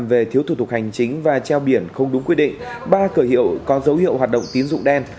về thiếu thủ tục hành chính và treo biển không đúng quy định ba cửa hiệu có dấu hiệu hoạt động tín dụng đen